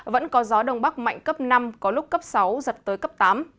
vẫn có gió đông bắc mạnh cấp năm có lúc cấp sáu giật tới cấp tám